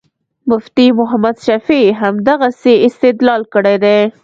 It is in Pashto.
مفتي محمد شفیع همدغسې استدلال کړی دی.